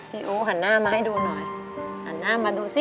อู๋หันหน้ามาให้ดูหน่อยหันหน้ามาดูสิ